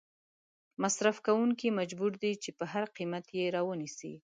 مصرف کوونکې مجبور دي چې په هر قیمت یې را ونیسي.